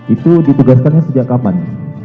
itu ditugaskannya sejak kapan